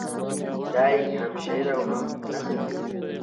دی هم شعر او هم نثر لیکي.